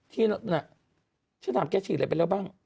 ที่นั่นฉันถามแกฉีดอะไรไปแล้วบ้าง